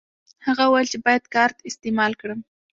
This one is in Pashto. هغه وویل چې باید کارت استعمال کړم.